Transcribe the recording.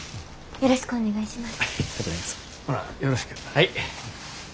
よろしくお願いします。